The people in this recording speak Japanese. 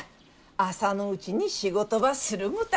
朝のうちに仕事ばするごた。